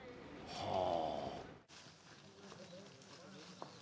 はあ！